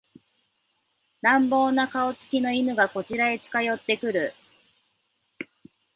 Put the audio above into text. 凶暴な顔つきの犬がこちらへ近寄ってくる